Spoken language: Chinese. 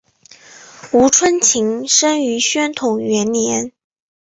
吴春晴生于宣统元年。